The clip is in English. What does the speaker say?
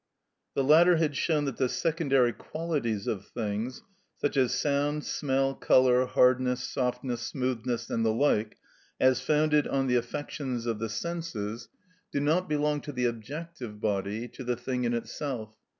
The latter had shown that the secondary qualities of things, such as sound, smell, colour, hardness, softness, smoothness, and the like, as founded on the affections of the senses, do not belong to the objective body, to the thing in itself.